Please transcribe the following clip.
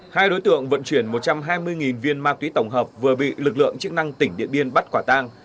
hai đối tượng vận chuyển một trăm hai mươi viên ma túy tổng hợp vừa bị lực lượng chức năng tỉnh điện biên bắt quả tang